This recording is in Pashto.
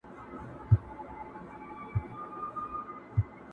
ریشتیا د « بېنوا » یې کړ داستان څه به کوو؟؛